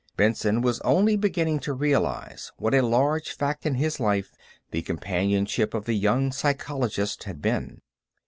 Benson was only beginning to realize what a large fact in his life the companionship of the young psychologist had been.